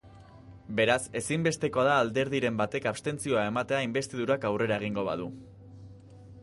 Beraz, ezinbestekoa da alderdiren batek abstentzioa ematea inbestidurak aurrera egingo badu.